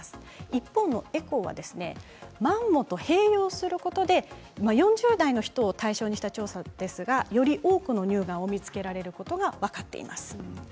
一方のエコーなんですがマンモと併用することで４０代の人を対象に行った調査ですがより多くの乳がんを見つけることが分かっています。